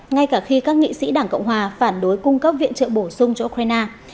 ngay cả khi các nghị sĩ đảng cộng hòa phản đối cung cấp viện trợ bổ sung cho ukraine